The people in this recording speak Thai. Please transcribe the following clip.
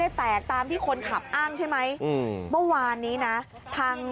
ย้ำเบลกให้ครับไม่แตกนะครับ